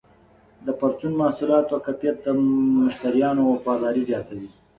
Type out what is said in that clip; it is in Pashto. د پرچون محصولاتو کیفیت د مشتریانو وفاداري زیاتوي.